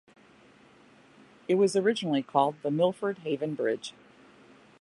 It was originally called the Milford Haven Bridge.